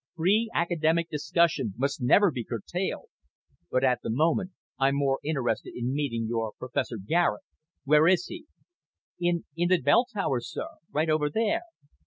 Free academic discussion must never be curtailed. But at the moment I'm more interested in meeting your Professor Garet. Where is he?" "In in the bell tower, sir. Right over there."